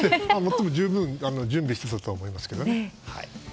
最も十分準備してたと思いますけどね。